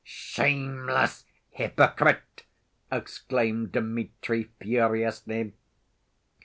"Shameless hypocrite!" exclaimed Dmitri furiously.